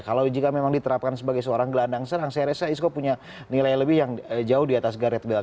kalau jika memang diterapkan sebagai seorang gelandang serang saya rasa isco punya nilai lebih yang jauh di atas guard belt